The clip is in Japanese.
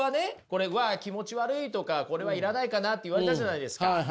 これ「うわ気持ち悪い」とか「これは要らないかな」って言われたじゃないですか。